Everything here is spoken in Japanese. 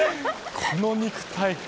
この肉体。